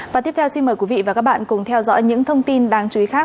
và tiếp theo xin mời quý vị và các bạn cùng theo dõi những thông tin đáng chú ý khác